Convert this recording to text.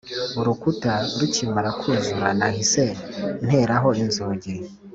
Urukuta rukimara kuzura nahise nteraho inzugi